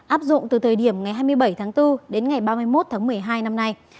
áp dụng từ thời điểm ngày hai mươi bảy tháng bốn đến ngày ba mươi một tháng một mươi hai năm nay